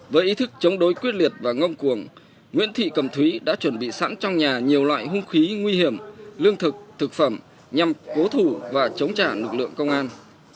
với ý thức chống đối quyết liệt và ngông cuồng nguyễn thị cẩm thúy đã chuẩn bị sẵn trong nhà nhiều loại hung khí nguy hiểm lương thực thực phẩm nhằm cố thủ và chống trả lực lượng công an